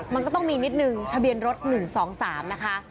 มันก็ต้องมีนิดนึงทะเบียนรถ๑๒๓นะคะ